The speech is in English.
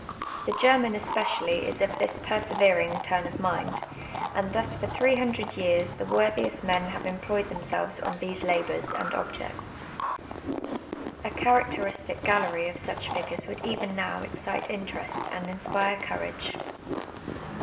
The German espe cially is of this persevering tm n of mind, and thus for three hundred years the worthiest men have employed themselves oil these labours and objects. A characteristic gallery of such figures would even now excite interest and inspire courage.